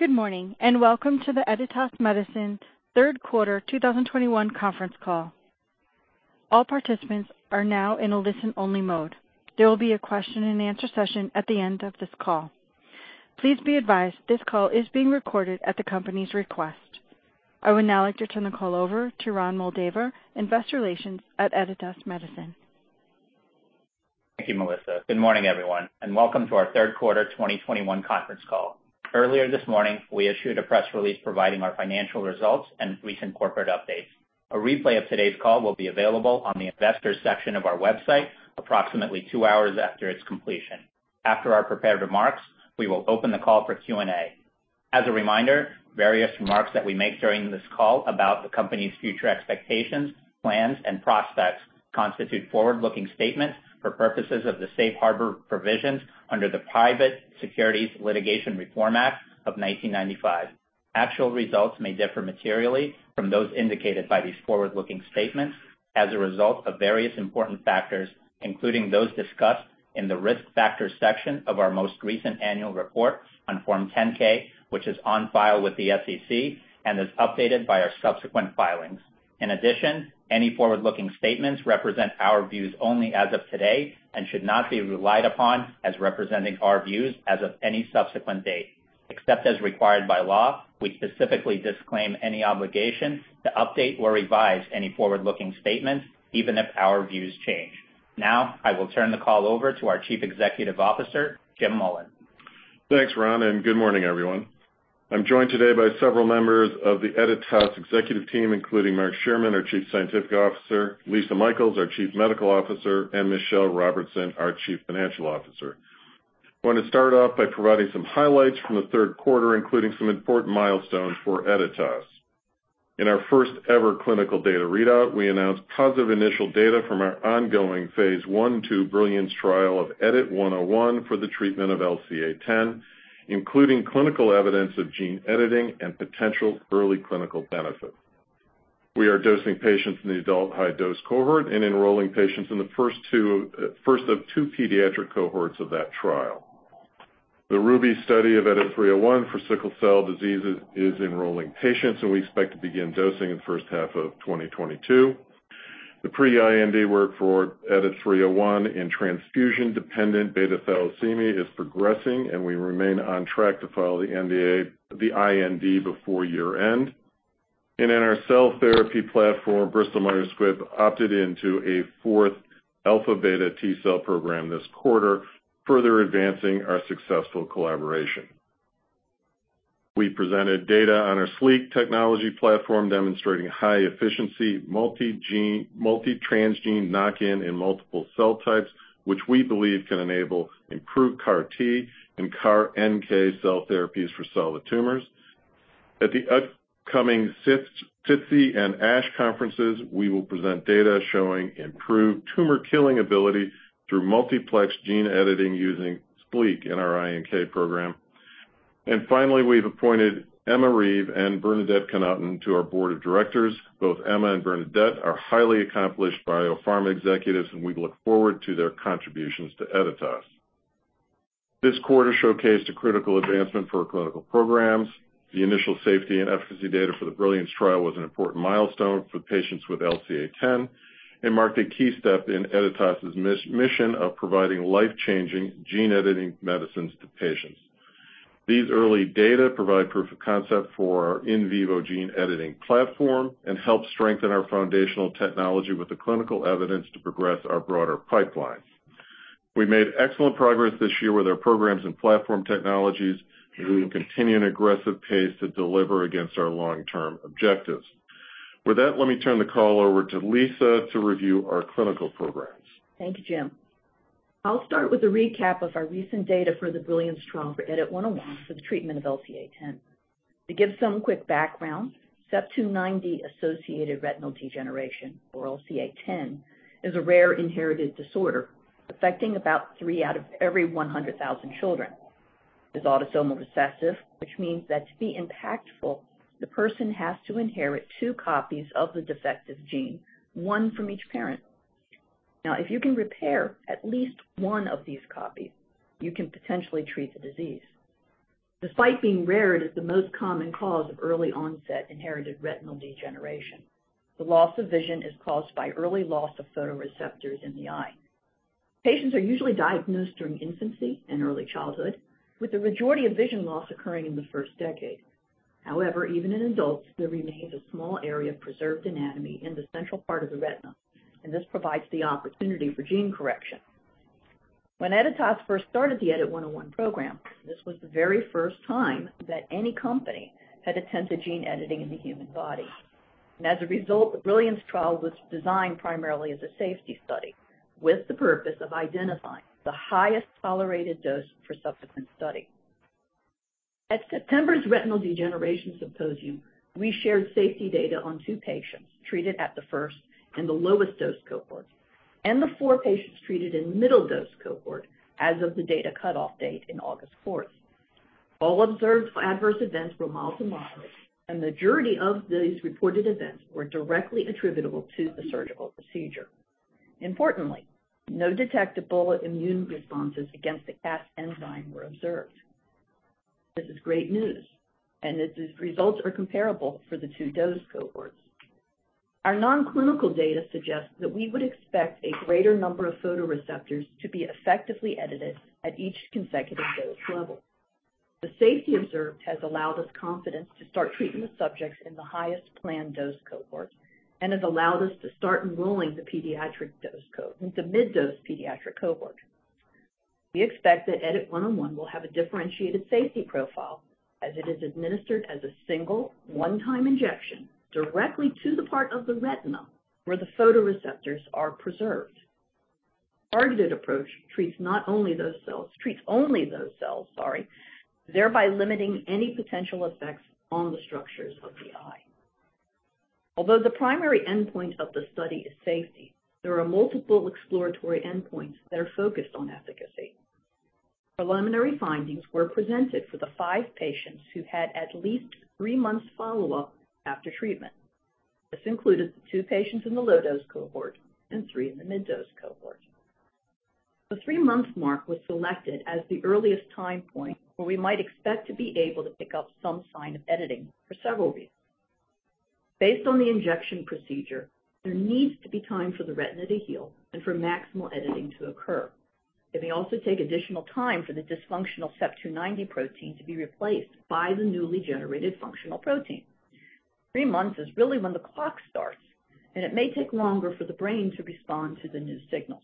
Good morning, and welcome to the Editas Medicine third quarter 2021 conference call. All participants are now in a listen-only mode. There will be a question-and-answer session at the end of this call. Please be advised this call is being recorded at the company's request. I would now like to turn the call over to Ron Moldaver, Investor Relations at Editas Medicine. Thank you, Melissa. Good morning, everyone, and welcome to our third quarter 2021 conference call. Earlier this morning, we issued a press release providing our financial results and recent corporate updates. A replay of today's call will be available on the Investors section of our website approximately 2 hours after its completion. After our prepared remarks, we will open the call for Q&A. As a reminder, various remarks that we make during this call about the company's future expectations, plans, and prospects constitute forward-looking statements for purposes of the safe harbor provisions under the Private Securities Litigation Reform Act of 1995. Actual results may differ materially from those indicated by these forward-looking statements as a result of various important factors, including those discussed in the Risk Factors section of our most recent annual report on Form 10-K, which is on file with the SEC and is updated by our subsequent filings. In addition, any forward-looking statements represent our views only as of today and should not be relied upon as representing our views as of any subsequent date. Except as required by law, we specifically disclaim any obligation to update or revise any forward-looking statements, even if our views change. Now, I will turn the call over to our Chief Executive Officer, Jim Mullen. Thanks, Ron, and good morning, everyone. I'm joined today by several members of the Editas executive team, including Mark Shearman, our Chief Scientific Officer, Lisa Michaels, our Chief Medical Officer, and Michelle Robertson, our Chief Financial Officer. I want to start off by providing some highlights from the third quarter, including some important milestones for Editas. In our first-ever clinical data readout, we announced positive initial data from our ongoing phase I/II Brilliance trial of EDIT-101 for the treatment of LCA10, including clinical evidence of gene editing and potential early clinical benefit. We are dosing patients in the adult high-dose cohort and enrolling patients in the first of two pediatric cohorts of that trial. The Ruby study of EDIT-301 for sickle cell diseases is enrolling patients, and we expect to begin dosing in the first half of 2022. The pre-IND work for EDIT-301 in transfusion-dependent beta thalassemia is progressing, and we remain on track to file the IND before year-end. In our cell therapy platform, Bristol Myers Squibb opted into a fourth alpha/beta T-cell program this quarter, further advancing our successful collaboration. We presented data on our SLEEK technology platform demonstrating high-efficiency multi-gene, multi-transgene knock-in in multiple cell types, which we believe can enable improved CAR T and CAR NK cell therapies for solid tumors. At the upcoming SITC and ASH conferences, we will present data showing improved tumor-killing ability through multiplex gene editing using SLEEK in our iNK program. Finally, we've appointed Emma Reeve and Bernadette Connaughton to our board of directors. Both Emma and Bernadette are highly accomplished biopharma executives, and we look forward to their contributions to Editas. This quarter showcased a critical advancement for our clinical programs. The initial safety and efficacy data for the Brilliance Trial was an important milestone for patients with LCA10 and marked a key step in Editas' mission of providing life-changing gene editing medicines to patients. These early data provide proof of concept for our in vivo gene editing platform and help strengthen our foundational technology with the clinical evidence to progress our broader pipeline. We made excellent progress this year with our programs and platform technologies, and we will continue an aggressive pace to deliver against our long-term objectives. With that, let me turn the call over to Lisa to review our clinical programs. Thank you, Jim. I'll start with a recap of our recent data for the Brilliance Trial for EDIT-one zero one for the treatment of LCA10. To give some quick background, CEP290-associated retinal degeneration, or LCA10, is a rare inherited disorder affecting about three out of every 100,000 children. It's autosomal recessive, which means that to be impactful, the person has to inherit two copies of the defective gene, one from each parent. Now, if you can repair at least one of these copies, you can potentially treat the disease. Despite being rare, it is the most common cause of early-onset inherited retinal degeneration. The loss of vision is caused by early loss of photoreceptors in the eye. Patients are usually diagnosed during infancy and early childhood, with the majority of vision loss occurring in the first decade. However, even in adults, there remains a small area of preserved anatomy in the central part of the retina, and this provides the opportunity for gene correction. When Editas first started the EDIT-101 program, this was the very first time that any company had attempted gene editing in the human body. As a result, the Brilliance Trial was designed primarily as a safety study with the purpose of identifying the highest tolerated dose for subsequent study. At September's Retinal Degeneration Symposium, we shared safety data on two patients treated at the first and the lowest dose cohort, and the four patients treated in middle dose cohort as of the data cutoff date in August 4. All observed adverse events were mild to moderate, and the majority of these reported events were directly attributable to the surgical procedure. Importantly, no detectable immune responses against the Cas enzyme were observed. This is great news, and these results are comparable for the 2 dose cohorts. Our non-clinical data suggests that we would expect a greater number of photoreceptors to be effectively edited at each consecutive dose level. The safety observed has allowed us confidence to start treating the subjects in the highest planned dose cohort and has allowed us to start enrolling the pediatric dose cohort, the mid-dose pediatric cohort. We expect that EDIT-101 will have a differentiated safety profile as it is administered as a single one-time injection directly to the part of the retina where the photoreceptors are preserved. Targeted approach treats only those cells, sorry, thereby limiting any potential effects on the structures of the eye. Although the primary endpoint of the study is safety, there are multiple exploratory endpoints that are focused on efficacy. Preliminary findings were presented for the five patients who had at least three months follow-up after treatment. This included the two patients in the low-dose cohort and three in the mid-dose cohort. The three-month mark was selected as the earliest time point where we might expect to be able to pick up some sign of editing for several reasons. Based on the injection procedure, there needs to be time for the retina to heal and for maximal editing to occur. It may also take additional time for the dysfunctional CEP290 protein to be replaced by the newly generated functional protein. Three months is really when the clock starts, and it may take longer for the brain to respond to the new signals.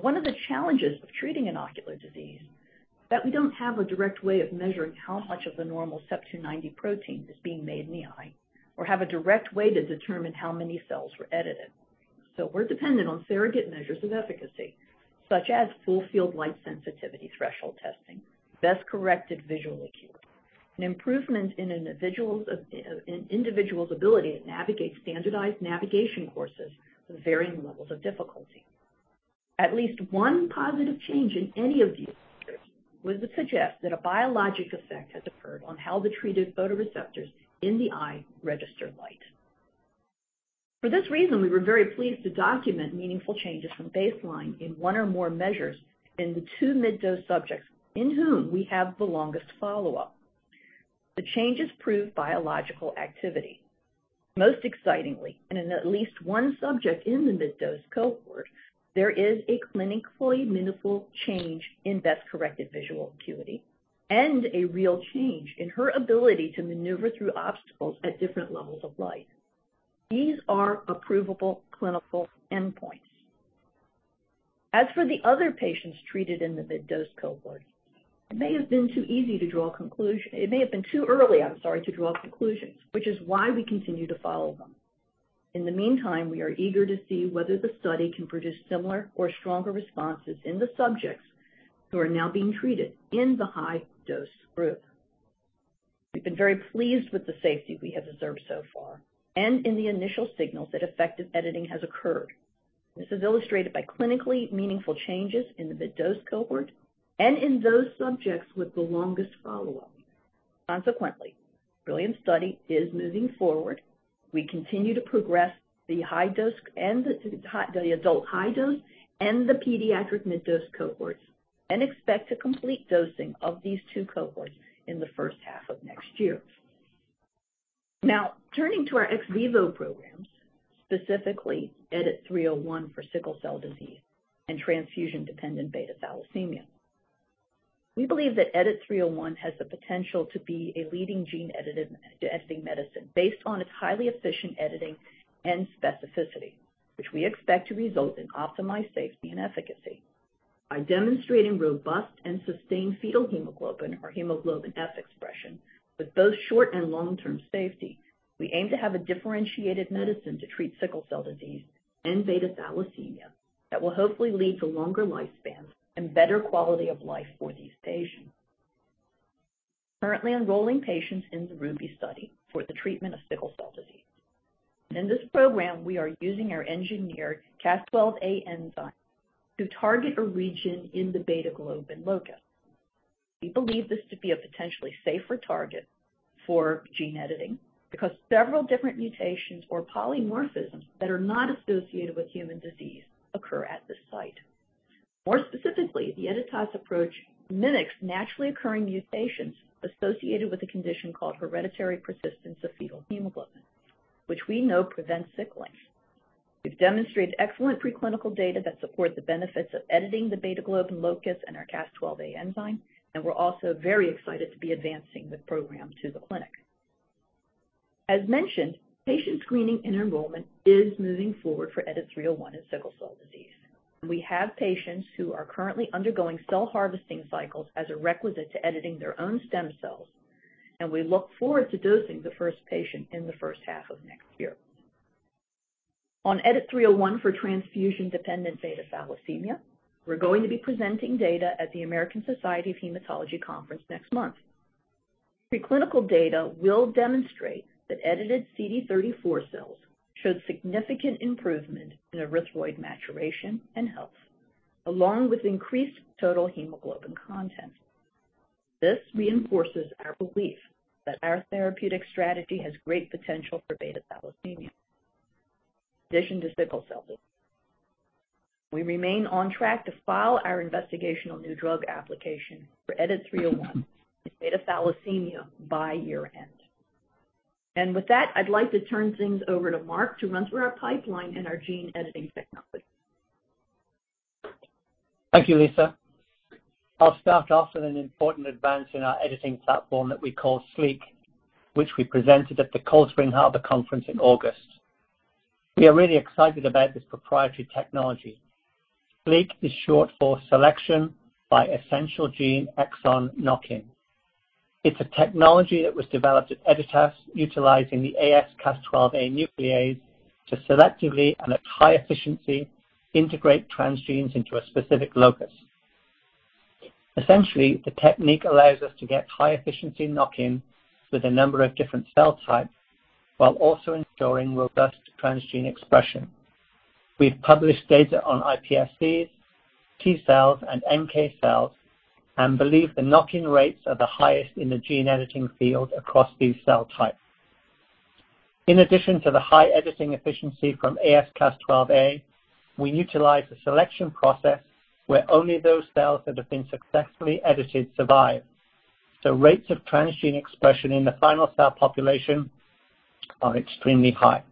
One of the challenges of treating an ocular disease is that we don't have a direct way of measuring how much of the normal CEP290 protein is being made in the eye or have a direct way to determine how many cells were edited. We're dependent on surrogate measures of efficacy, such as full field light sensitivity threshold testing, best corrected visual acuity, an improvement in an individual's ability to navigate standardized navigation courses with varying levels of difficulty. At least one positive change in any of these measures would suggest that a biologic effect has occurred on how the treated photoreceptors in the eye register light. For this reason, we were very pleased to document meaningful changes from baseline in one or more measures in the two mid-dose subjects in whom we have the longest follow-up. The changes proved biological activity. Most excitingly, in at least one subject in the mid-dose cohort, there is a clinically meaningful change in best-corrected visual acuity and a real change in her ability to maneuver through obstacles at different levels of light. These are approvable clinical endpoints. As for the other patients treated in the mid-dose cohort, it may have been too early, I'm sorry, to draw conclusions, which is why we continue to follow them. In the meantime, we are eager to see whether the study can produce similar or stronger responses in the subjects who are now being treated in the high-dose group. We've been very pleased with the safety we have observed so far and in the initial signals that effective editing has occurred. This is illustrated by clinically meaningful changes in the mid-dose cohort and in those subjects with the longest follow-up. Consequently, Brilliance study is moving forward. We continue to progress the high-dose and the adult high-dose and the pediatric mid-dose cohorts and expect to complete dosing of these two cohorts in the first half of next year. Now, turning to our ex vivo programs, specifically EDIT-three zero one for sickle cell disease and transfusion-dependent beta thalassemia. We believe that EDIT-three zero one has the potential to be a leading gene-edited editing medicine based on its highly efficient editing and specificity, which we expect to result in optimized safety and efficacy. By demonstrating robust and sustained fetal hemoglobin or hemoglobin S expression with both short and long-term safety, we aim to have a differentiated medicine to treat sickle cell disease and beta thalassemia that will hopefully lead to longer lifespan and better quality of life for these patients. Currently enrolling patients in the Ruby Study for the treatment of sickle cell disease. In this program, we are using our engineered Cas12a enzyme to target a region in the beta globin locus. We believe this to be a potentially safer target for gene editing because several different mutations or polymorphisms that are not associated with human disease occur at this site. More specifically, the Editas approach mimics naturally occurring mutations associated with a condition called hereditary persistence of fetal hemoglobin, which we know prevents sickling. We've demonstrated excellent preclinical data that support the benefits of editing the beta globin locus in our Cas12a enzyme, and we're also very excited to be advancing the program to the clinic. As mentioned, patient screening and enrollment is moving forward for EDIT-three oh one in sickle cell disease. We have patients who are currently undergoing cell harvesting cycles as a requisite to editing their own stem cells, and we look forward to dosing the first patient in the first half of next year. On EDIT-three oh one for transfusion-dependent beta thalassemia, we're going to be presenting data at the American Society of Hematology Conference next month. Preclinical data will demonstrate that edited CD34 cells showed significant improvement in erythroid maturation and health, along with increased total hemoglobin content. This reinforces our belief that our therapeutic strategy has great potential for beta thalassemia, in addition to sickle cell disease. We remain on track to file our investigational new drug application for EDIT-301 in beta thalassemia by year-end. With that, I'd like to turn things over to Mark to run through our pipeline and our gene editing technology. Thank you, Lisa. I'll start off with an important advance in our editing platform that we call SLEEK, which we presented at the Cold Spring Harbor Conference in August. We are really excited about this proprietary technology. SLEEK is short for Selection by Essential Gene Exon Knock-in. It's a technology that was developed at Editas utilizing the AsCas12a nuclease to selectively and at high efficiency integrate transgenes into a specific locus. Essentially, the technique allows us to get high efficiency knock-in with a number of different cell types while also ensuring robust transgene expression. We've published data on iPSCs, T-cells, and NK cells, and believe the knock-in rates are the highest in the gene editing field across these cell types. In addition to the high editing efficiency from AsCas12a, we utilize a selection process where only those cells that have been successfully edited survive. Rates of transgene expression in the final cell population are extremely high.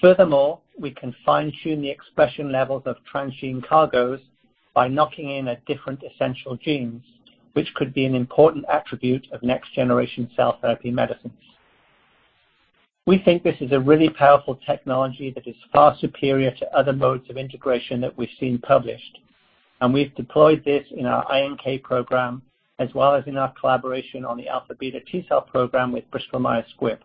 Furthermore, we can fine-tune the expression levels of transgene cargoes by knocking in at different essential genes, which could be an important attribute of next generation cell therapy medicines. We think this is a really powerful technology that is far superior to other modes of integration that we've seen published, and we've deployed this in our iNK program, as well as in our collaboration on the alpha-beta T-cell program with Bristol Myers Squibb.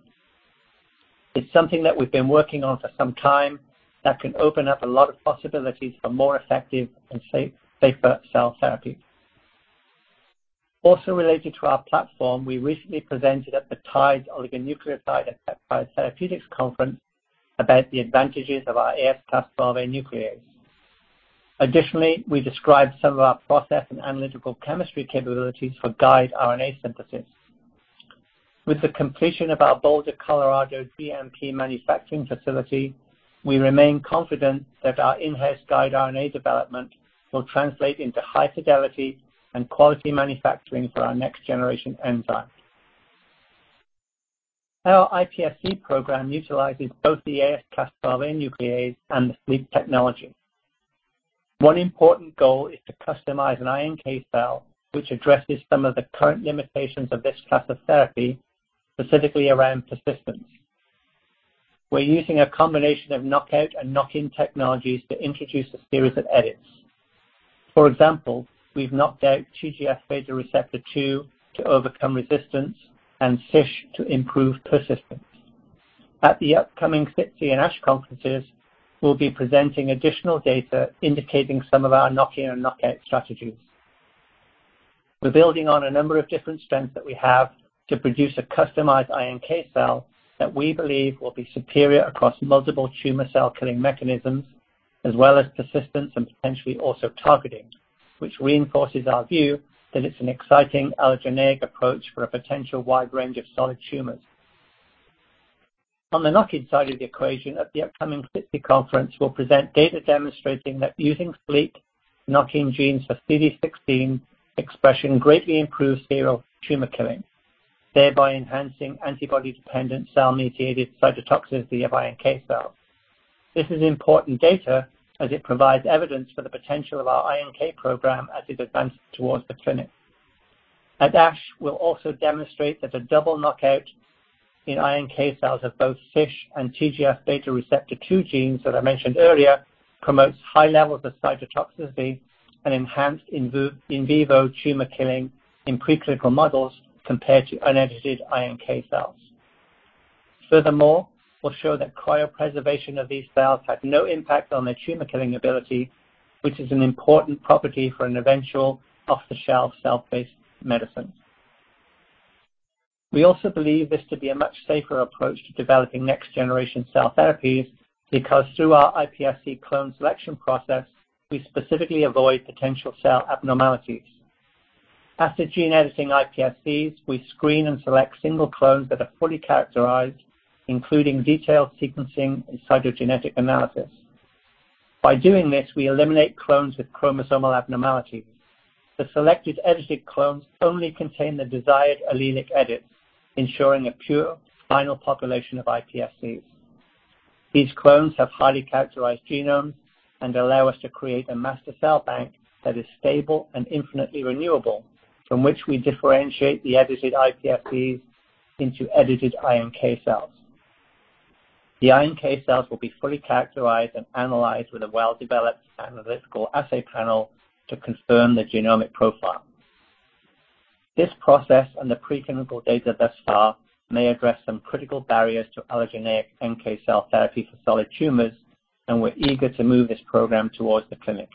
It's something that we've been working on for some time that can open up a lot of possibilities for more effective and safer cell therapy. Also related to our platform, we recently presented at the TIDES: Oligonucleotide & Peptide Therapeutics conference about the advantages of our AsCas12a nuclease. Additionally, we described some of our process and analytical chemistry capabilities for guide RNA synthesis. With the completion of our Boulder, Colorado GMP manufacturing facility, we remain confident that our in-house guide RNA development will translate into high fidelity and quality manufacturing for our next generation enzyme. Our iPSC program utilizes both the AsCas12a nuclease and the SLEEK technology. One important goal is to customize an iNK cell, which addresses some of the current limitations of this class of therapy, specifically around persistence. We're using a combination of knockout and knockin technologies to introduce a series of edits. For example, we've knocked out TGF-β receptor 2 to overcome resistance and CISH to improve persistence. At the upcoming SITC and ASH conferences, we'll be presenting additional data indicating some of our knockin and knockout strategies. We're building on a number of different strengths that we have to produce a customized iNK cell that we believe will be superior across multiple tumor cell killing mechanisms, as well as persistence and potentially also targeting, which reinforces our view that it's an exciting allogeneic approach for a potential wide range of solid tumors. On the knock-in side of the equation, at the upcoming SITC conference, we'll present data demonstrating that using SLEEK knocking in genes for CD16 expression greatly improves serial tumor killing, thereby enhancing antibody-dependent cell-mediated cytotoxicity of iNK cells. This is important data as it provides evidence for the potential of our iNK program as it advances towards the clinic. At ASH, we'll also demonstrate that the double knockout in iNK cells of both CISH and TGF-β receptor 2 genes that I mentioned earlier promotes high levels of cytotoxicity and enhanced in vivo tumor killing in preclinical models compared to unedited iNK cells. Furthermore, we'll show that cryopreservation of these cells had no impact on their tumor killing ability, which is an important property for an eventual off-the-shelf cell-based medicine. We also believe this to be a much safer approach to developing next generation cell therapies because through our iPSC clone selection process, we specifically avoid potential cell abnormalities. After gene editing iPSCs, we screen and select single clones that are fully characterized, including detailed sequencing and cytogenetic analysis. By doing this, we eliminate clones with chromosomal abnormalities. The selected edited clones only contain the desired allelic edits, ensuring a pure final population of iPSCs. These clones have highly characterized genomes and allow us to create a master cell bank that is stable and infinitely renewable, from which we differentiate the edited iPSCs into edited iNK cells. The iNK cells will be fully characterized and analyzed with a well-developed analytical assay panel to confirm the genomic profile. This process and the pre-clinical data thus far may address some critical barriers to allogeneic NK cell therapy for solid tumors, and we're eager to move this program towards the clinic.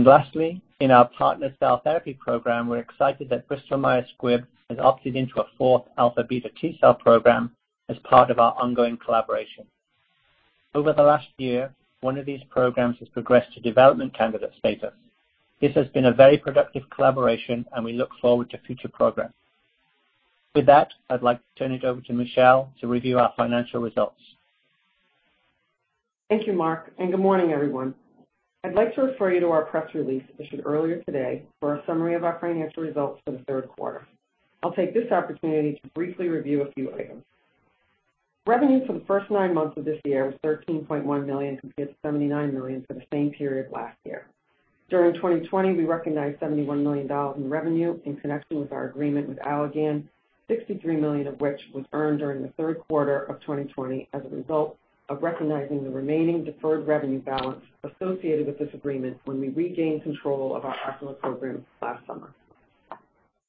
Lastly, in our partner cell therapy program, we're excited that Bristol Myers Squibb has opted into a fourth alpha-beta T-cell program as part of our ongoing collaboration. Over the last year, one of these programs has progressed to development candidate status. This has been a very productive collaboration, and we look forward to future progress. With that, I'd like to turn it over to Michelle to review our financial results. Thank you, Mark, and good morning, everyone. I'd like to refer you to our press release issued earlier today for a summary of our financial results for the third quarter. I'll take this opportunity to briefly review a few items. Revenue for the first nine months of this year was $13.1 million, compared to $79 million for the same period last year. During 2020, we recognized $71 million in revenue in connection with our agreement with Allergan, $63 million of which was earned during the third quarter of 2020 as a result of recognizing the remaining deferred revenue balance associated with this agreement when we regained control of our clinical programs last summer.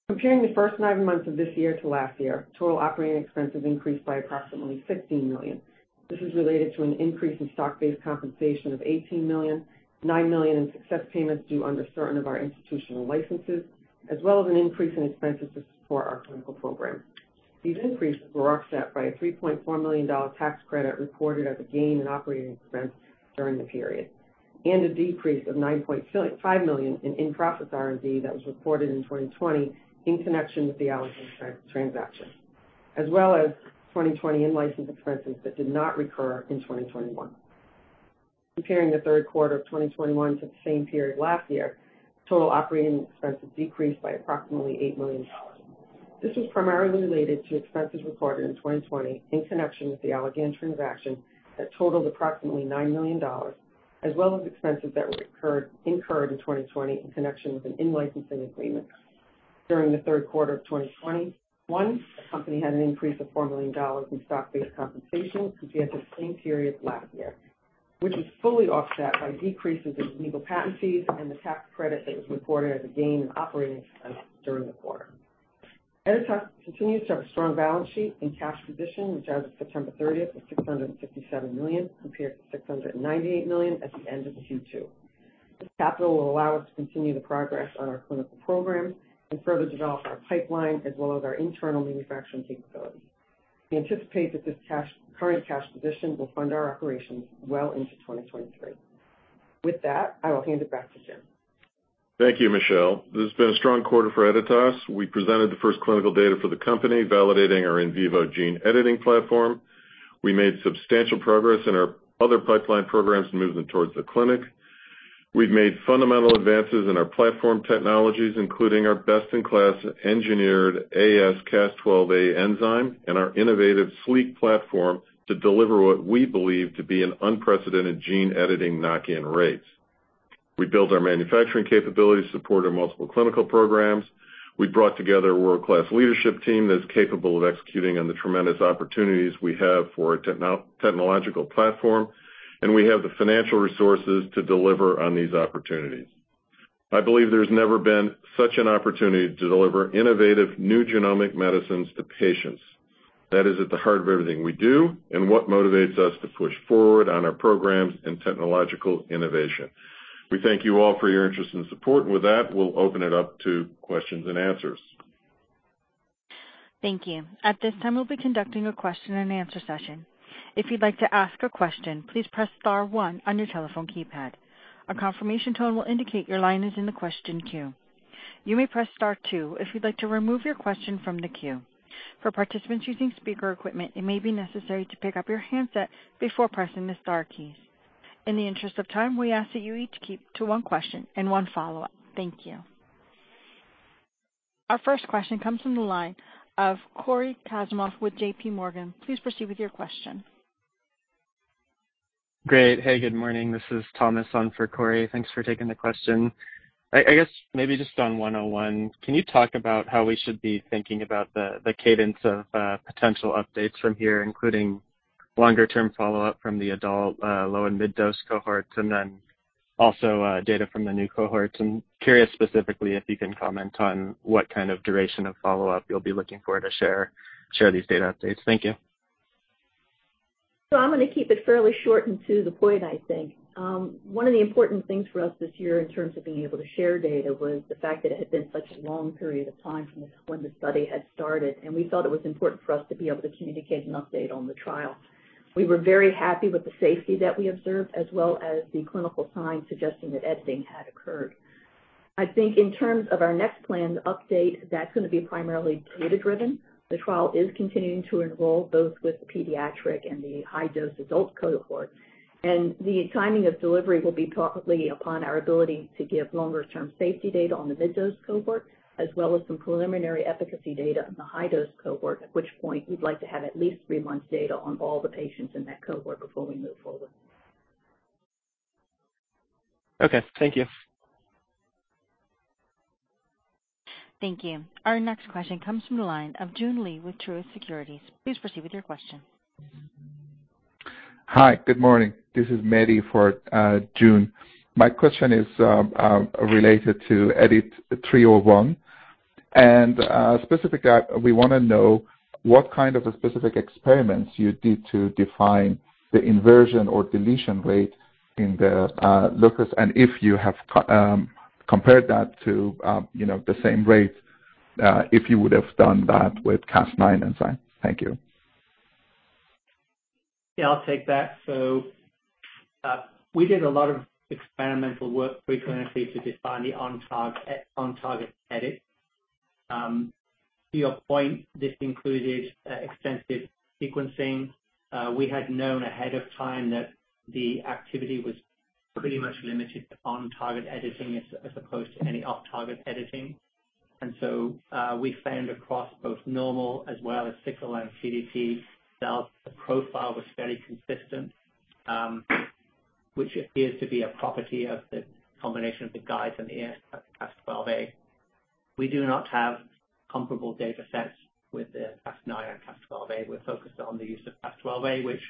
Comparing the first nine months of this year to last year, total operating expenses increased by approximately $15 million. This is related to an increase in stock-based compensation of $18 million, $9 million in success payments due under certain of our institutional licenses, as well as an increase in expenses to support our clinical program. These increases were offset by a $3.4 million tax credit reported as a gain in operating expense during the period and a decrease of $9.5 million in in-process R&D that was reported in 2020 in connection with the Allergan transaction, as well as 2020 in-license expenses that did not recur in 2021. Comparing the third quarter of 2021 to the same period last year, total operating expenses decreased by approximately $8 million. This was primarily related to expenses recorded in 2020 in connection with the Allergan transaction that totaled approximately $9 million, as well as expenses that were incurred in 2020 in connection with an in-licensing agreement. During the third quarter of 2021, the company had an increase of $4 million in stock-based compensation compared to the same period last year, which was fully offset by decreases in legal patent fees and the tax credit that was reported as a gain in operating expense during the quarter. Editas continues to have a strong balance sheet and cash position, which as of September 30 was $657 million, compared to $698 million at the end of Q2. This capital will allow us to continue the progress on our clinical programs and further develop our pipeline, as well as our internal manufacturing capabilities. We anticipate that this cash, current cash position will fund our operations well into 2023. With that, I will hand it back to Jim. Thank you, Michelle. This has been a strong quarter for Editas. We presented the first clinical data for the company, validating our in vivo gene editing platform. We made substantial progress in our other pipeline programs and movement towards the clinic. We've made fundamental advances in our platform technologies, including our best-in-class engineered AsCas12a enzyme and our innovative SLEEK platform to deliver what we believe to be an unprecedented gene-editing knock-in rates. We built our manufacturing capabilities to support our multiple clinical programs. We brought together a world-class leadership team that is capable of executing on the tremendous opportunities we have for a technological platform, and we have the financial resources to deliver on these opportunities. I believe there's never been such an opportunity to deliver innovative new genomic medicines to patients. That is at the heart of everything we do and what motivates us to push forward on our programs and technological innovation. We thank you all for your interest and support. With that, we'll open it up to questions and answers. Thank you. At this time, we'll be conducting a question and answer session. If you'd like to ask a question, please press star one on your telephone keypad. A confirmation tone will indicate your line is in the question queue. You may press star two if you'd like to remove your question from the queue. For participants using speaker equipment, it may be necessary to pick up your handset before pressing the star keys. In the interest of time, we ask that you each keep to one question and one follow-up. Thank you. Our first question comes from the line of Cory Kasimov with J.P. Morgan. Please proceed with your question. Great. Hey, good morning. This is Thomas on for Cory. Thanks for taking the question. I guess maybe just on EDIT-101, can you talk about how we should be thinking about the cadence of potential updates from here, including longer-term follow-up from the adult low and mid dose cohorts and then also data from the new cohorts? I'm curious specifically if you can comment on what kind of duration of follow-up you'll be looking for to share these data updates. Thank you. I'm gonna keep it fairly short and to the point. One of the important things for us this year in terms of being able to share data was the fact that it had been such a long period of time from when the study had started, and we thought it was important for us to be able to communicate an update on the trial. We were very happy with the safety that we observed, as well as the clinical signs suggesting that editing had occurred. I think in terms of our next planned update, that's gonna be primarily data-driven. The trial is continuing to enroll both with the pediatric and the high-dose adult cohort. The timing of delivery will be probably upon our ability to give longer-term safety data on the mid-dose cohort, as well as some preliminary efficacy data on the high-dose cohort, at which point we'd like to have at least three months data on all the patients in that cohort before we move forward. Okay. Thank you. Thank you. Our next question comes from the line of Joon Lee with Truist Securities. Please proceed with your question. Hi. Good morning. This is Mehdi Goudarzi for Joon. My question is related to EDIT-301, and specifically, we wanna know what kind of a specific experiments you did to define the inversion or deletion rate in the locus, and if you have compared that to the same rate. If you would have done that with Cas9 enzyme. Thank you. Yeah, I'll take that. We did a lot of experimental work frequently to define the on-target edit. To your point, this included extensive sequencing. We had known ahead of time that the activity was pretty much limited to on-target editing as opposed to any off-target editing. We found across both normal as well as sickle and CD34 cells, the profile was very consistent, which appears to be a property of the combination of the guides and the Cas12a. We do not have comparable data sets with the Cas9 and Cas12a. We're focused on the use of Cas12a, which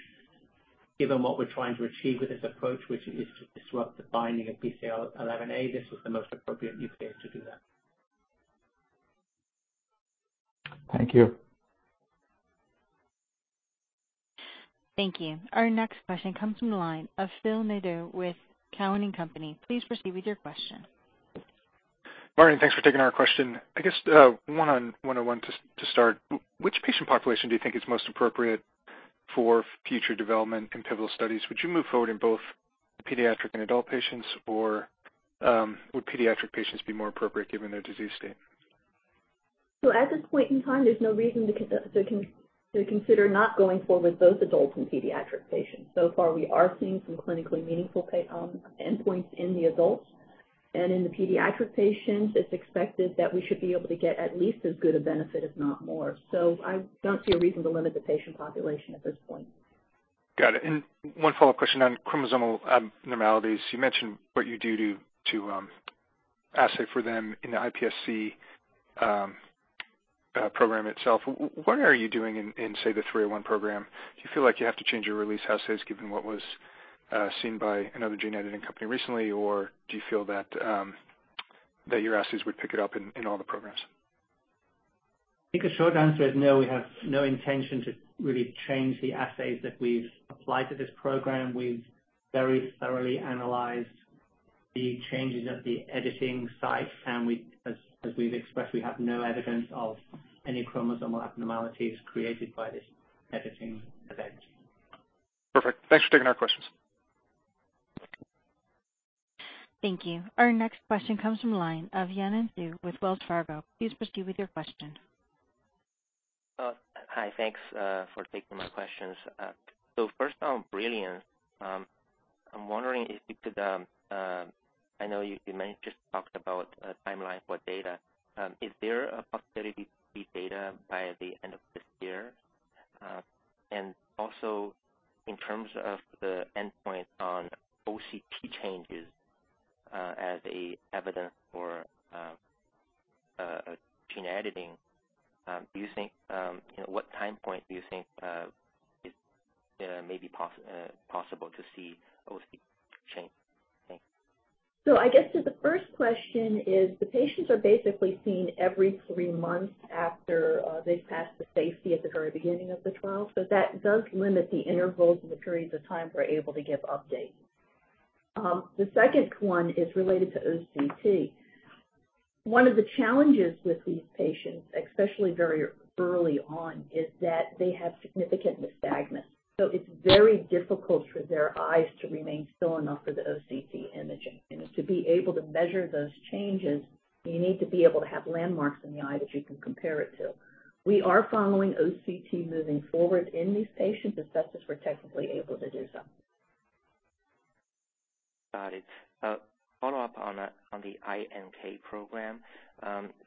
given what we're trying to achieve with this approach, which is to disrupt the binding of BCL11A, this was the most appropriate use case to do that. Thank you. Thank you. Our next question comes from the line of Phil Nadeau with Cowen and Company. Please proceed with your question. Morning, thanks for taking our question. One on one to start. Which patient population do you think is most appropriate for future development in pivotal studies? Would you move forward in both pediatric and adult patients, or would pediatric patients be more appropriate given their disease state? At this point in time, there's no reason to consider not going forward with both adults and pediatric patients. So far, we are seeing some clinically meaningful endpoints in the adults and in the pediatric patients. It's expected that we should be able to get at least as good a benefit, if not more. I don't see a reason to limit the patient population at this point. Got it. One follow-up question on chromosomal abnormalities. You mentioned what you do to assay for them in the iPSC program itself. What are you doing in, say, the 301 program? Do you feel like you have to change your release assays given what was seen by another gene editing company recently? Or do you feel that your assays would pick it up in all the programs? A short answer is no. We have no intention to really change the assays that we've applied to this program. We've very thoroughly analyzed the changes at the editing site, and we, as we've expressed, we have no evidence of any chromosomal abnormalities created by this editing event. Perfect. Thanks for taking our questions. Thank you. Our next question comes from the line of Yanan Zhu with Wells Fargo. Please proceed with your question. Hi. Thanks for taking my questions. First on Brilliance, I'm wondering if you may just talked about a timeline for data. Is there a possibility to be data by the end of this year? Also in terms of the endpoint on OCT changes, as evidence for gene editing, do you think what time point is maybe possible to see OCT change? Thanks. That the first question is the patients are basically seen every three months after they've passed the safety at the very beginning of the trial, that does limit the intervals and the periods of time we're able to give updates. The second one is related to OCT. One of the challenges with these patients, especially very early on, is that they have significant nystagmus, so it's very difficult for their eyes to remain still enough for the OCT imaging, to be able to measure those changes, you need to be able to have landmarks in the eye that you can compare it to. We are following OCT moving forward in these patients, as best as we're technically able to do so. Got it. Follow up on the iNK program.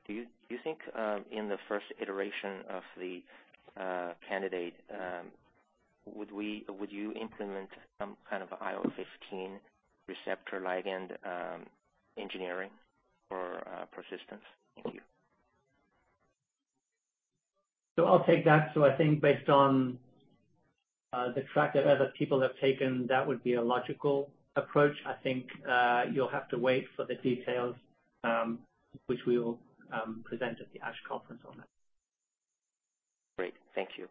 Do you think in the first iteration of the candidate would you implement some kind of IL-15 receptor ligand engineering for persistence? Thank you. I'll take that. I think based on the track that other people have taken, that would be a logical approach. I think you'll have to wait for the details, which we will present at the ASH conference on that. Great. Thank you.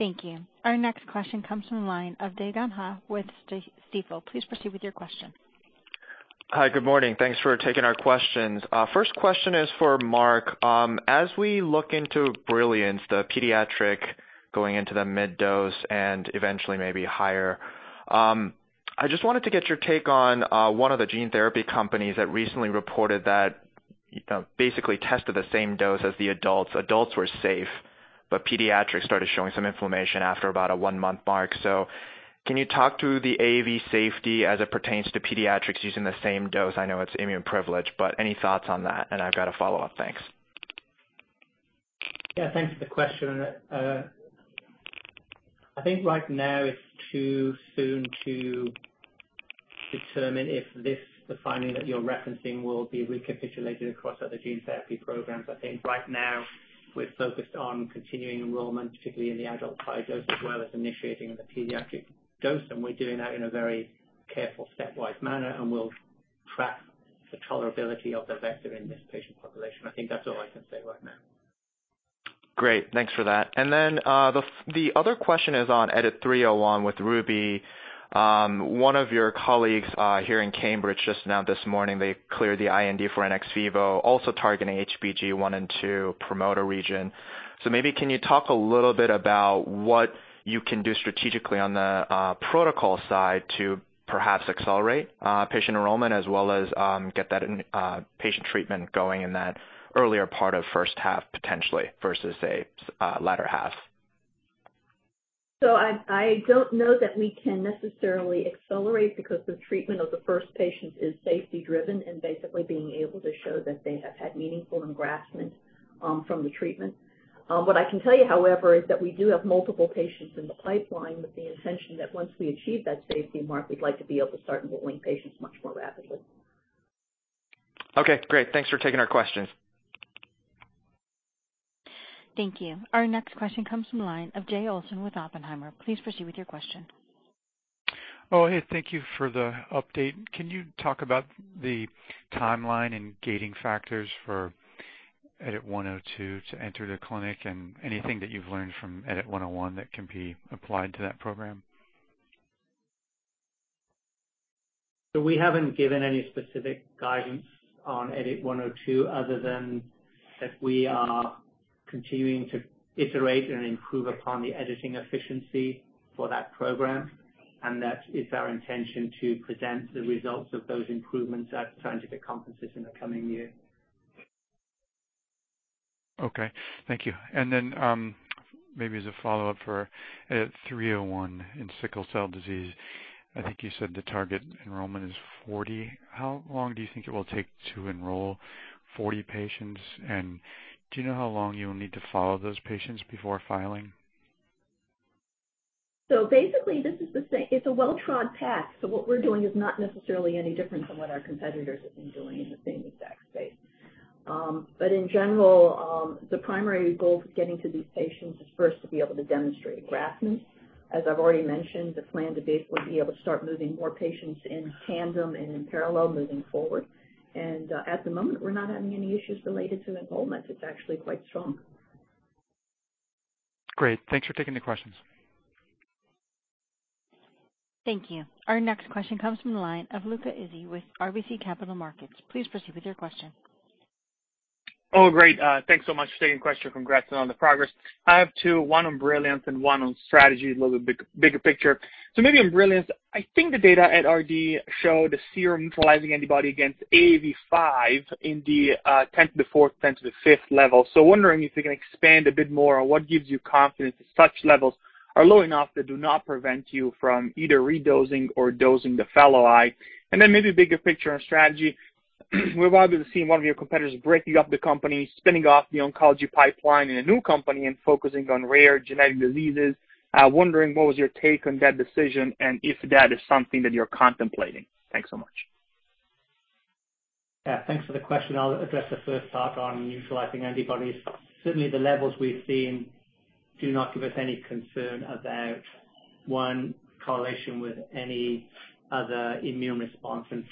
Thank you. Our next question comes from the line of Dae Gon Ha with Stifel. Please proceed with your question. Hi. Good morning. Thanks for taking our questions. First question is for Mark. As we look into Brilliance, the pediatric going into the mid dose and eventually maybe higher, I just wanted to get your take on, one of the gene therapy companies that recently reported that basically tested the same dose as the adults. Adults were safe, but pediatrics started showing some inflammation after about a one-month mark. Can you talk to the AAV safety as it pertains to pediatrics using the same dose? I know it's immune privileged, but any thoughts on that? I've got a follow up. Thanks. Yeah, thanks for the question. Right now it's too soon to determine if this, the finding that you're referencing, will be recapitulated across other gene therapy programs. Right now we're focused on continuing enrollment, particularly in the adult high dose as well as initiating the pediatric dose. We're doing that in a very careful stepwise manner, and we'll track the tolerability of the vector in this patient population. That's all I can say right now. Great. Thanks for that. Then, the other question is on EDIT-301 with Ruby. One of your colleagues here in Cambridge just now this morning, they cleared the IND for NXIVVO, also targeting HBG1 and 2 promoter region. Maybe you can talk a little bit about what you can do strategically on the protocol side to perhaps accelerate patient enrollment as well as get that in patient treatment going in that earlier part of first half potentially versus, say, latter half. I don't know that we can necessarily accelerate because the treatment of the first patient is safety driven and basically being able to show that they have had meaningful engraftment from the treatment. What I can tell you, however, is that we do have multiple patients in the pipeline with the intention that once we achieve that safety mark, we'd like to be able to start enrolling patients much more rapidly. Okay, great. Thanks for taking our question. Thank you. Our next question comes from the line of Jay Olson with Oppenheimer. Please proceed with your question. Oh, hey, thank you for the update. Can you talk about the timeline and gating factors for EDIT-102 to enter the clinic and anything that you've learned from EDIT-101 that can be applied to that program? We haven't given any specific guidance on EDIT-102, other than that we are continuing to iterate and improve upon the editing efficiency for that program, and that it's our intention to present the results of those improvements at scientific conferences in the coming year. Okay. Thank you. Maybe as a follow-up for EDIT-301 in sickle cell disease, I think you said the target enrollment is 40. How long do you think it will take to enroll 40 patients? Do you know how long you'll need to follow those patients before filing? Basically, it's a well-trodden path. What we're doing is not necessarily any different from what our competitors have been doing in the same exact space. In general, the primary goal for getting to these patients is first to be able to demonstrate engraftment. As I've already mentioned, the plan to basically be able to start moving more patients in tandem and in parallel moving forward. At the moment, we're not having any issues related to enrollment. It's actually quite strong. Great. Thanks for taking the questions. Thank you. Our next question comes from the line of Luca Issi with RBC Capital Markets. Please proceed with your question. Oh, great. Thanks so much for taking the question. Congrats on the progress. I have two, one on Brilliance and one on strategy, a little bigger picture. Maybe on Brilliance, the data at RD2021 show the serum neutralizing antibody against AAV5 in the 10^4 to 10^5 level. Wondering if you can expand a bit more on what gives you confidence that such levels are low enough that do not prevent you from either redosing or dosing the fellow eye. Maybe bigger picture on strategy. We've obviously seen one of your competitors breaking up the company, spinning off the oncology pipeline in a new company and focusing on rare genetic diseases. Wondering what was your take on that decision and if that is something that you're contemplating. Thanks so much. Yeah, thanks for the question. I'll address the first part on neutralizing antibodies. Certainly the levels we've seen do not give us any concern about, one, correlation with any other immune response, and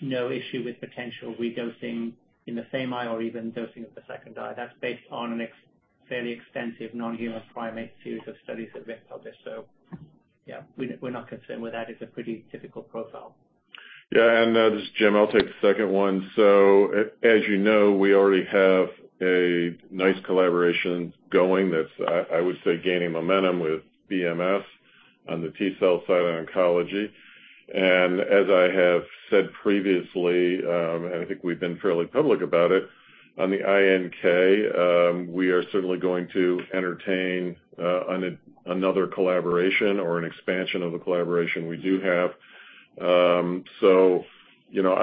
two, no issue with potential redosing in the same eye or even dosing of the second eye. That's based on a fairly extensive non-human primate series of studies that have been published. Yeah, we're not concerned with that. It's a pretty typical profile. Yeah, this is Jim. I'll take the second one. We already have a nice collaboration going that's, I would say, gaining momentum with BMS on the T-cell side on oncology. As I have said previously, and I think we've been fairly public about it, on the iNK, we are certainly going to entertain another collaboration or an expansion of the collaboration we do have.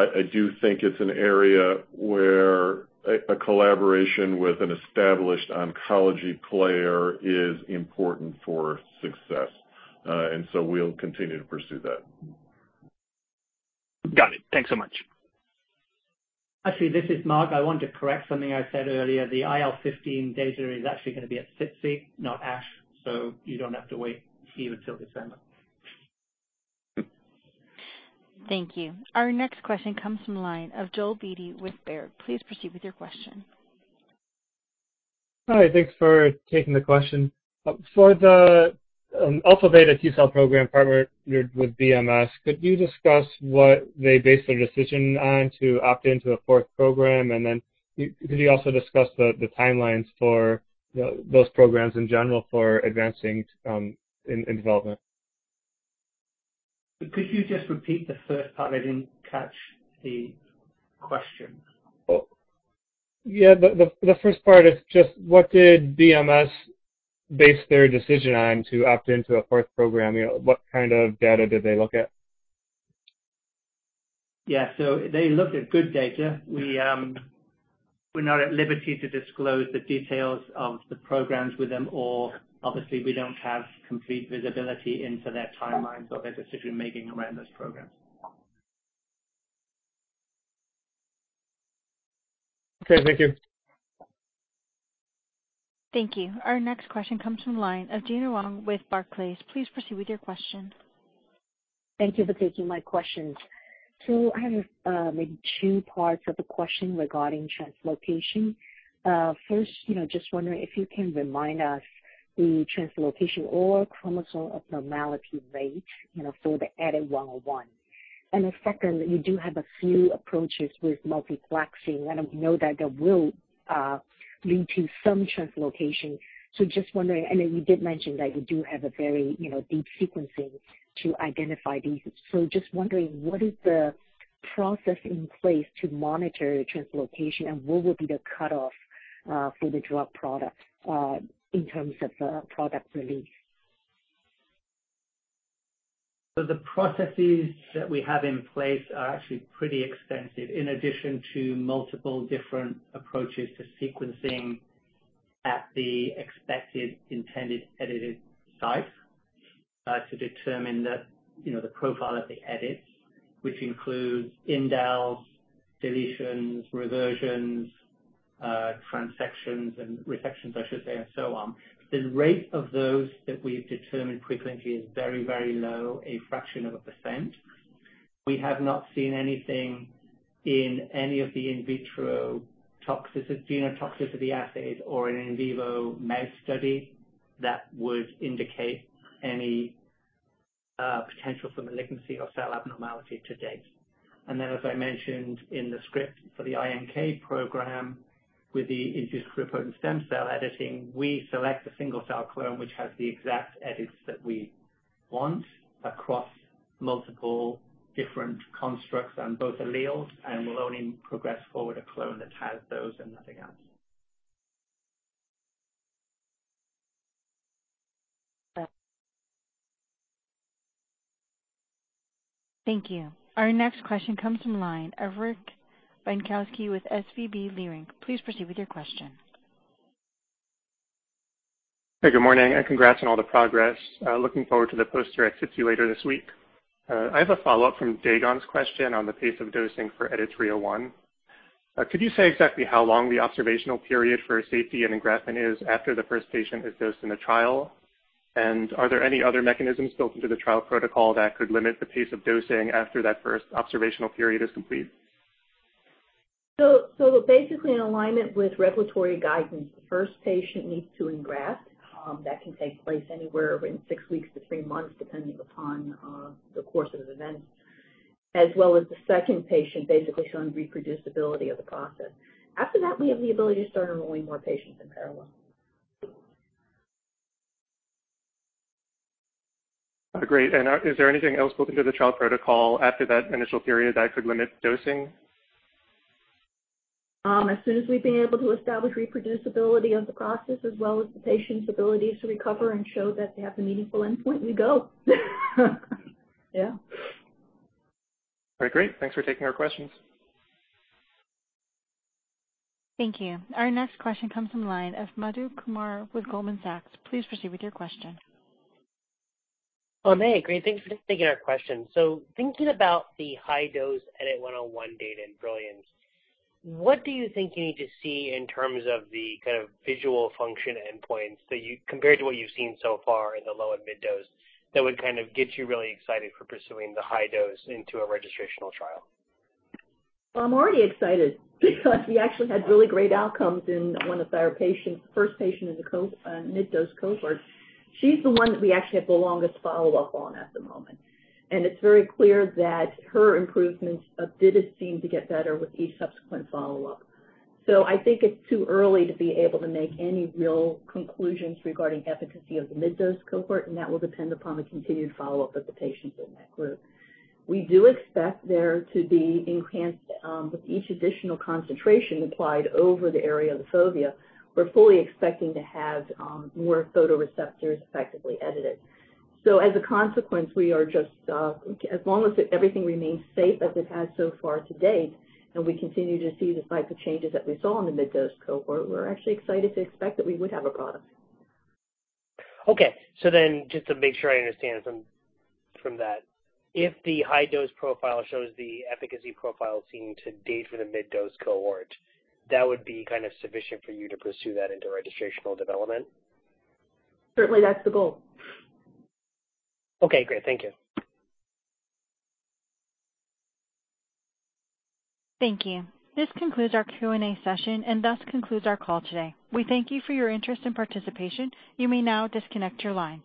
I do think it's an area where a collaboration with an established oncology player is important for success. We'll continue to pursue that. Got it. Thanks so much. Actually, this is Mark. I want to correct something I said earlier. The IL-15 data is actually gonna be at SITC, not ASH, so you don't have to wait even till December. Thank you. Our next question comes from the line of Joel Beatty with Baird. Please proceed with your question. Hi. Thanks for taking the question. For the alpha-beta T-cell program partnered with BMS, could you discuss what they based their decision on to opt into a fourth program? Then could you also discuss the timelines for those programs in general for advancing in development? Could you just repeat the first part? I didn't catch the question. Oh. Yeah. The first part is just what did BMS base their decision on to opt into a fourth program? You know, what kind of data did they look at? Yeah. They looked at good data. We're not at liberty to disclose the details of the programs with them, or obviously we don't have complete visibility into their timelines or their decision-making around those programs. Okay. Thank you. Thank you. Our next question comes from the line of Gena Wang with Barclays. Please proceed with your question. Thank you for taking my questions. I have maybe two parts of the question regarding translocation. First, just wondering if you can remind us the translocation or chromosomal abnormality rate for the EDIT-101. Then second, you do have a few approaches with multiplexing. I know that there will lead to some translocation. Just wondering and then you did mention that you do have a very deep sequencing to identify these. Just wondering, what is the process in place to monitor translocation and what will be the cutoff for the drug product in terms of product release? The processes that we have in place are actually pretty extensive, in addition to multiple different approaches to sequencing at the expected intended edited site, to determine the profile of the edits, which includes indels, deletions, reversions, transactions and resections I should say, and so on. The rate of those that we've determined frequently is very, very low, a fraction of a percent. We have not seen anything in any of the in vitro toxicity, genotoxicity assays or an in vivo mouse study that would indicate any, potential for malignancy or cell abnormality to date. As I mentioned in the script for the iNK program, with the induced pluripotent stem cell editing, we select a single cell clone, which has the exact edits that we want across multiple different constructs on both alleles, and we'll only progress forward a clone that has those and nothing else. Thank you. Thank you. Our next question comes from the line of Rick Bienkowski with SVB Leerink. Please proceed with your question. Hey, good morning, and congrats on all the progress. Looking forward to the poster at SITC later this week. I have a follow-up from Dae Gon's question on the pace of dosing for EDIT-301. Could you say exactly how long the observational period for safety and engraftment is after the first patient is dosed in a trial? And are there any other mechanisms built into the trial protocol that could limit the pace of dosing after that first observational period is complete? Basically in alignment with regulatory guidance, the first patient needs to engraft, as well as the second patient basically showing reproducibility of the process. That can take place anywhere in 6 weeks to 3 months, depending upon the course of events. After that, we have the ability to start enrolling more patients in parallel. Is there anything else built into the trial protocol after that initial period that could limit dosing? As soon as we've been able to establish reproducibility of the process as well as the patient's ability to recover and show that they have a meaningful endpoint, we go. Yeah. All right. Great. Thanks for taking our questions. Thank you. Our next question comes from the line of Madhu Kumar with Goldman Sachs. Please proceed with your question. Oh, hey. Great. Thanks for taking our question. Thinking about the high-dose EDIT-101 data in Brilliance, what do you think you need to see in terms of the kind of visual function endpoints that you, compared to what you've seen so far in the low and mid-dose, that would kind of get you really excited for pursuing the high dose into a registrational trial? Well, I'm already excited because we actually had really great outcomes in one of our patients, first patient in the mid-dose cohort. She's the one that we actually have the longest follow-up on at the moment, and it's very clear that her improvements did seem to get better with each subsequent follow-up. I think it's too early to be able to make any real conclusions regarding efficacy of the mid-dose cohort, and that will depend upon the continued follow-up of the patients in that group. We do expect there to be enhanced with each additional concentration applied over the area of the fovea. We're fully expecting to have more photoreceptors effectively edited. As a consequence, we are just as long as everything remains safe as it has so far to date, and we continue to see the type of changes that we saw in the mid-dose cohort, we're actually excited to expect that we would have a product. Okay. Just to make sure I understand from that. If the high-dose profile shows the efficacy profile seen to date for the mid-dose cohort, that would be kind of sufficient for you to pursue that into registrational development? Certainly, that's the goal. Okay, great. Thank you. Thank you. This concludes our Q&A session and thus concludes our call today. We thank you for your interest and participation. You may now disconnect your lines.